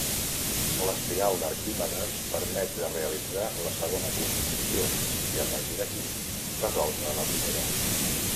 L'espiral d'Arquimedes permet de realitzar la segona construcció i a partir d'aquí resoldre la primera.